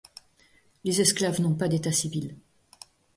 Les esclaves n'ont pas d'état civil.